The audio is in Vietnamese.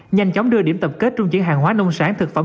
nhanh chóng đưa điểm tập kết trung chuyển hàng hóa nông sản thực phẩm